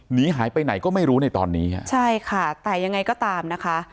หนีหายไปไหนก็ไม่รู้ในตอนนี้ฮะใช่ค่ะแต่ยังไงก็ตามนะคะ